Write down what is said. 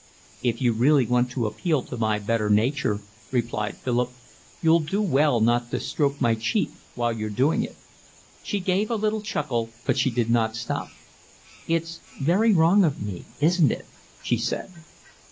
"If you really want to appeal to my better nature," replied Philip, "you'll do well not to stroke my cheek while you're doing it." She gave a little chuckle, but she did not stop. "It's very wrong of me, isn't it?" she said.